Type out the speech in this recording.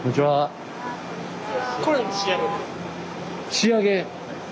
仕上げ？